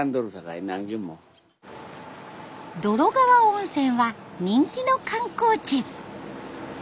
洞川温泉は人気の観光地。